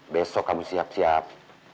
besok kamu siap siap